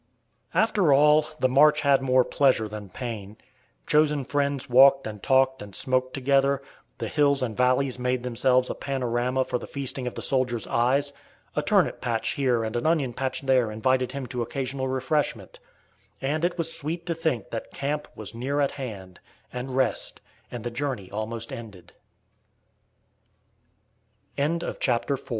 ] After all, the march had more pleasure than pain. Chosen friends walked and talked and smoked together; the hills and valleys made themselves a panorama for the feasting of the soldiers' eyes; a turnip patch here and an onion patch there invited him to occasional refreshment; and it was sweet to think that "camp" was near at hand, and rest, and the jour